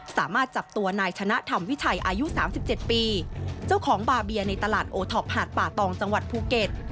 สามารถจับตัวนายชนะธรรมวิชัยอายุ๓๗ปีเจ้าของบาเบียในตลาดโอท็อปหาดป่าตองจังหวัดภูเก็ต